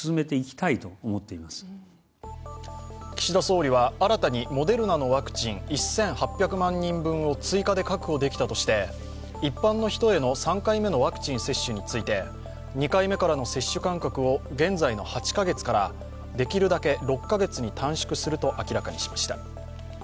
岸田総理は新たにモデルナのワクチン１８００万人分を追加で確保できたとして、一般の人への３回目のワクチン接種について２回目からの接種間隔を現在の８カ月からできるだけ６カ月に短縮すると明らかにしました。